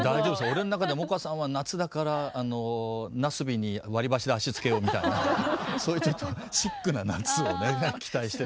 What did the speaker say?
俺の中で萌歌さんは夏だからなすびに割り箸で足つけようみたいなそういうちょっとシックな夏をね期待してるんで。